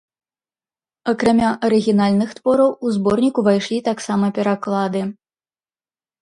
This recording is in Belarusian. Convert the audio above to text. Акрамя арыгінальных твораў у зборнік увайшлі таксама пераклады.